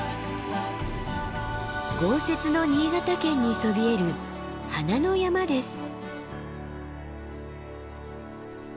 豪雪の新潟県にそびえる「花の山」です。